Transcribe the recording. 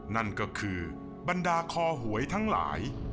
นั่นก็คือบรรดาคอหวยทั้งหลาย